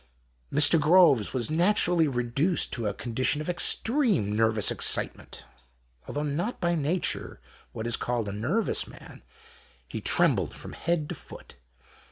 Mr. Groves was naturally reduced to a condition of extreme nervous excitement. Al though not by nature what is called a nervous man, he trembled from head to foot.